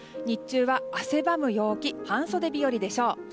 日中は汗ばむ陽気半袖日和でしょう。